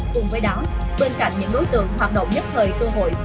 cùng với đó bên cạnh những đối tượng hoạt động nhất thời cơ hội